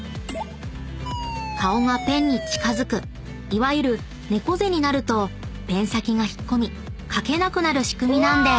［顔がペンに近づくいわゆる猫背になるとペン先が引っ込み書けなくなる仕組みなんです］